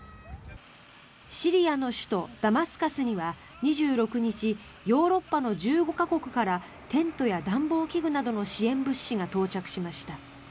シリアの首都ダマスカスには２６日ヨーロッパの１５か国からテントや暖房器具などの支援物資が到着しました。